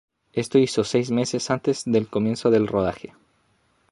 Esto lo hizo seis meses antes del comienzo del rodaje.